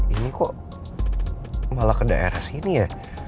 ini kok malah ke daerah sini ya